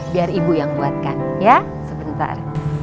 biar ibu yang buatkan ya sebentar